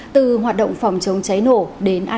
từ hoạt động phòng chống cháy nổ đến an ninh trả tự